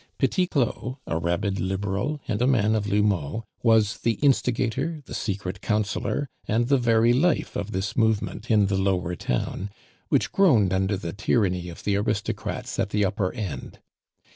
Petit Claud, a rabid Liberal, and a man of L'Houmeau, was the instigator, the secret counselor, and the very life of this movement in the lower town, which groaned under the tyranny of the aristocrats at the upper end.